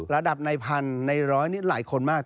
ระดับในพันในร้อยนี่หลายคนมาก